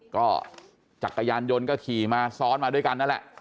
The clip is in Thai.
ก็จักรยานยนต์ก็ขี่มาซ้อนมาด้วยกันนั่นแหละ